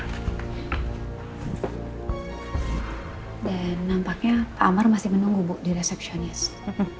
dan nampaknya pak amar masih menunggu bu di resepsionnya sih